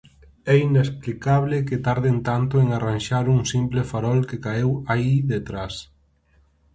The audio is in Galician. É inexplicable que tarden tanto en arranxar un simple farol que caeu aí detrás.